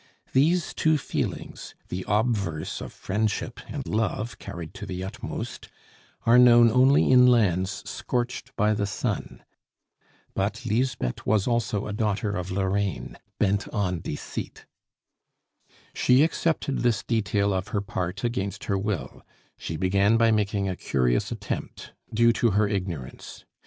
These two feelings, the obverse of friendship and love carried to the utmost, are known only in lands scorched by the sun. But Lisbeth was also a daughter of Lorraine, bent on deceit. She accepted this detail of her part against her will; she began by making a curious attempt, due to her ignorance.